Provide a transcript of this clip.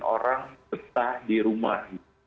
orang tetah di rumah